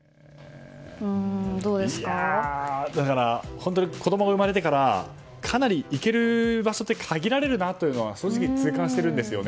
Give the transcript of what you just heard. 本当に子供が生まれてからかなり行ける場所って限られるなというのは正直痛感してるんですね。